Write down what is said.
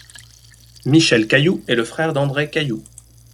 Michel Cailloux est le frère d'André Cailloux.